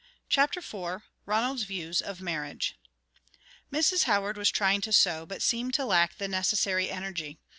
CHAPTER IV RONALD'S VIEWS OF MARRIAGE Mrs. Howard was trying to sew, but seemed to lack the necessary energy.